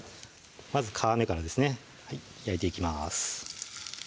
まず皮目からですね焼いていきます